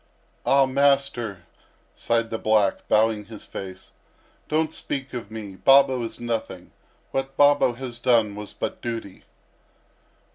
"Ah, master," sighed the black, bowing his face, "don't speak of me; Babo is nothing; what Babo has done was but duty."